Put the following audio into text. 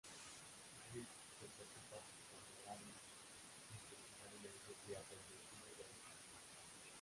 Rick se preocupa cuando Daryl intencionalmente pierde el desvío de Alexandria.